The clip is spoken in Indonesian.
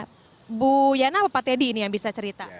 ibu yana apa pak teddy ini yang bisa cerita